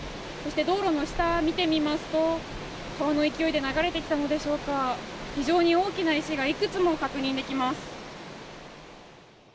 道路の下を見てみますと川の勢いで流れてきたのでしょうか非常に大きな石がいくつも確認できます。